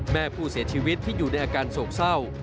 แม่ผู้เสียชีวิตที่อยู่ในอาการโศกเศร้า